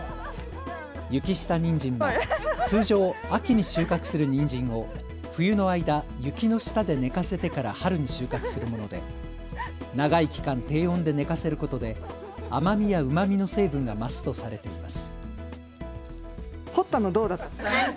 雪下にんじんは通常、秋に収穫するにんじんを冬の間、雪の下で寝かせてから春に収穫するもので長い期間、低温で寝かせることで甘みやうまみの成分が増すとされています。